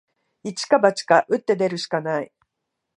一か八か、打って出るしかない